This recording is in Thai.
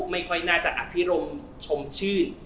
ไม่ค่อยน่าจะอภิรมชมชื่น